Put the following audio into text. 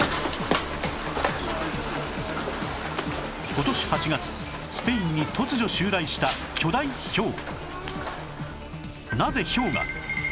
今年８月スペインに突如襲来した巨大ひょう